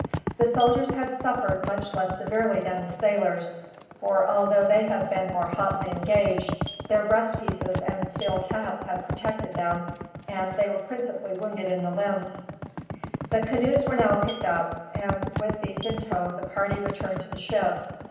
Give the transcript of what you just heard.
The soldiers had suffered much less severely than the sailors; for although they had been more hotly engaged, their breast pieces and steel caps had protected them, and they were principally wounded in the limbs. The canoes were now picked up, and with these in tow the party returned to the ship.